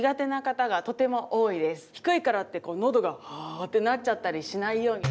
低いからってこう喉がハーッてなっちゃったりしないように。